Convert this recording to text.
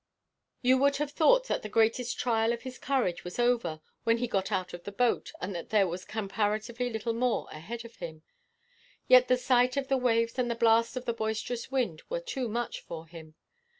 You would have thought that the greatest trial of his courage was over when he got out of the boat, and that there was comparatively little more ahead of him. Yet the sight of the waves and the blast of the boisterous wind were too much for him.